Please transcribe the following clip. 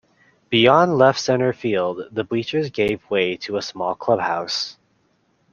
Beyond left-center field, the bleachers gave way to a small clubhouse.